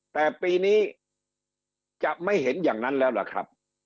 แต่ปีนี้จะไม่เห็นอย่างนั้นแล้วล่ะครับ